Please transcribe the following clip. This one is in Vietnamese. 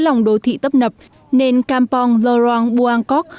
lòng đô thị tấp nập nên campong lorong buangkok